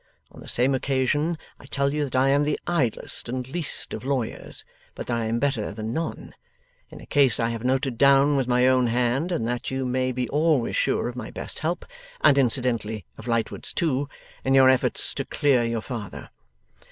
On the same occasion I tell you that I am the idlest and least of lawyers, but that I am better than none, in a case I have noted down with my own hand, and that you may be always sure of my best help, and incidentally of Lightwood's too, in your efforts to clear your father.